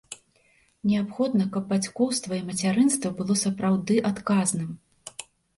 Неабходна, каб бацькоўства і мацярынства было сапраўды адказным.